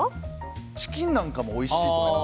チキンなんかもおいしいと思います。